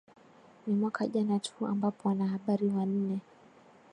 ni mwaka jana tu ambapo wanahabari wanne